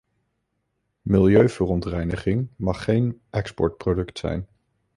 Milieuverontreiniging mag geen exportproduct zijn.